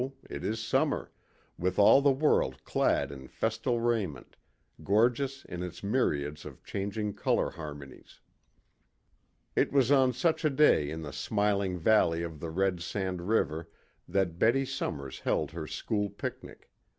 it is summer, with all the world clad in festal raiment, gorgeous in its myriads of changing color harmonies. It was on such a day in the smiling valley of the Red Sand River that Betty Somers held her school picnic.